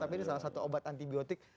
tapi ini salah satu obat antibiotik